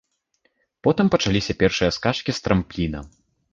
Потым пачаліся першыя скачкі з трампліна.